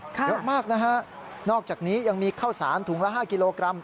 เยอะมากนะฮะนอกจากนี้ยังมีข้าวสารถุงละ๕กิโลกรัม